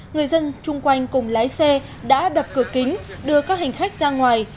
người dân chung quanh cùng lái xe đã đập cửa kính đưa các hành khách ra ngoài